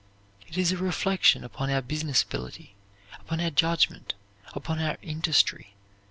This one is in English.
It is a reflection upon our business ability, upon our judgment, upon our industry.